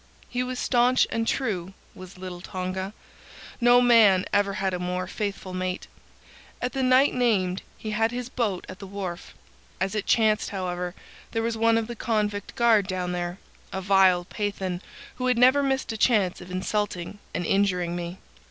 "He was stanch and true, was little Tonga. No man ever had a more faithful mate. At the night named he had his boat at the wharf. As it chanced, however, there was one of the convict guard down there,—a vile Pathan who had never missed a chance of insulting and injuring me.